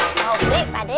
sobri pak de